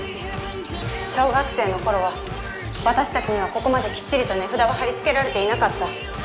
小学生の頃は私たちにはここまできっちりと値札は貼り付けられていなかった。